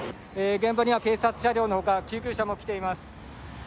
現場には警察車両の他救急車も来ています。